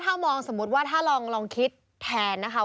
ถ้ามองสมมุติว่าถ้าลองคิดแทนนะคะ